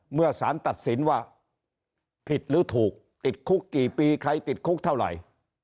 เมื่อสารตัดสินว่าผิดหรือถูกติดคุกกี่ปีใครติดคุกเท่าไหร่